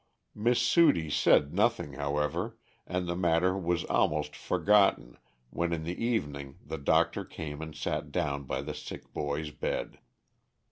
Miss Sudie said nothing, however, and the matter was almost forgotten when in the evening the doctor came and sat down by the sick boy's bed.